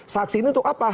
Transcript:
saksi ini untuk apa